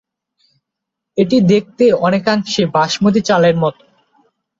এটি দেখতে অনেকাংশে বাসমতী চালের মতো।